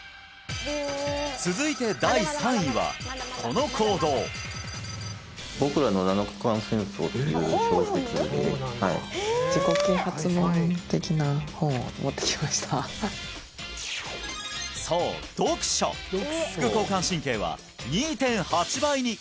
続いて第３位はこの行動そう読書副交感神経は２．８倍に！